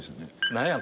何や？